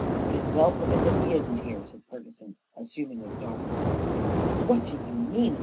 "It is well for him that he isn't here," said Ferguson, assuming a dark look. "What do you mean?"